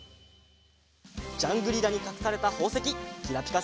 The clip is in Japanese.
ジャングリラにかくされたほうせききらぴか